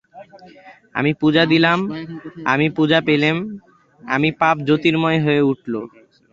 আমি পূজা দিলেম, আমি পূজা পেলেম, আমার পাপ জ্যোতির্ময় হয়ে উঠল।